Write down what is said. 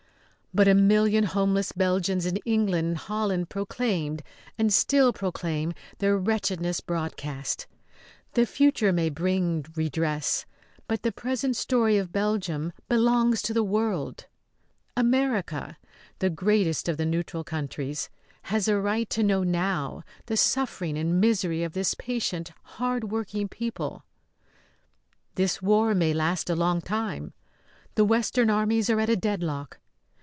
But a million homeless Belgians in England and Holland proclaimed and still proclaim their wretchedness broadcast. The future may bring redress, but the present story of Belgium belongs to the world. America, the greatest of the neutral countries, has a right to know now the suffering and misery of this patient, hard working people. This war may last a long time; the western armies are at a deadlock.